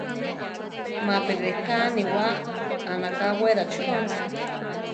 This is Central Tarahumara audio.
Mapi reká aniwá anaka Wérachi jónsa.